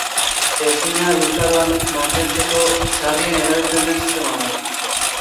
Esnea luzaroan mantentzeko sarrien erabiltzen den sistema da.